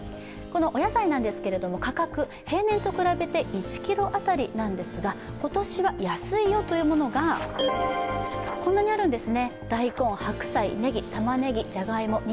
お野菜なんですけれども価格平年と比べて１ｋｇ当たりなんですが今年は安いというものが、こんなにあるんですね。